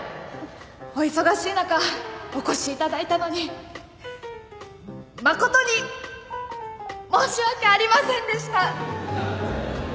お忙しい中お越し頂いたのに誠に申し訳ありませんでした。